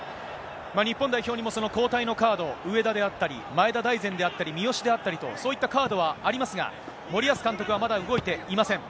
日本代表も交代のカード、上田であったり、前田大然であったり、三好であったりと、そういったカードはありますが、森保監督はまだ動いていません。